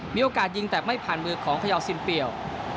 มีโอกาสยิงแต่ไม่ผ่านมือของพยาวซินเปล